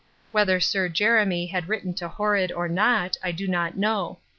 Whether Sir Jeremy had written to Horrod or not, I did not know.